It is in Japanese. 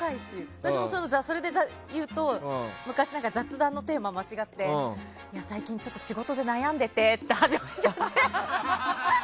私もそれで言うと昔、雑談のテーマを間違えて最近ちょっと仕事で悩んでてって始めちゃって。